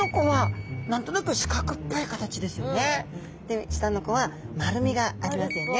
で下の子は丸みがありますよね。